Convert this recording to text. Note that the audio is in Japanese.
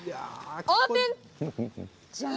オープン！